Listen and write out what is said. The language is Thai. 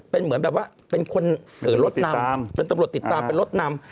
เป็นเหมือนแบบว่าเป็นคนรถนำเป็นตำรวจติดตามเป็นรถนำ